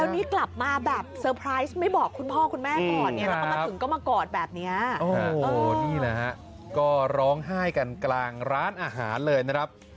โหนี่แหละฮะก็ร้องไห้กันกลางร้านอาหารเลยนะครับ